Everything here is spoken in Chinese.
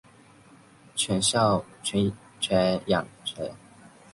犬养孝。